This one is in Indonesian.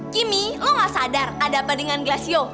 kini lo gak sadar ada apa dengan glasio